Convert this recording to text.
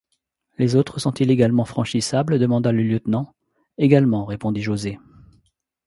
Les autres sont-ils également franchissables? demanda le lieutenant. — Également, répondit José.